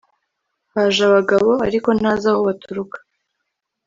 haje abagabo ariko ntazi aho baturuka